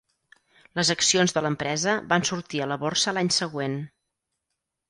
Les accions de l'empresa van sortir a la borsa l'any següent.